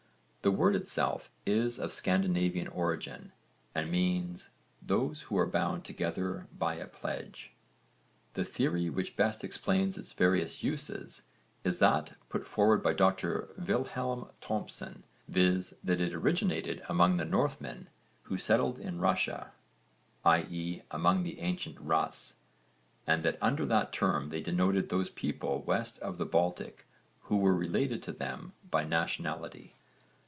The word itself is of Scandinavian origin and means 'those who are bound together by a pledge.' The theory which best explains its various uses is that put forward by Dr Vilhelm Thomsen, viz. that it originated among the Northmen who settled in Russia, i.e. among the ancient Russ, and that under that term they denoted those peoples west of the Baltic who were related to them by nationality.